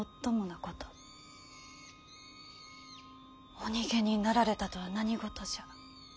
お逃げになられたとは何事じゃ。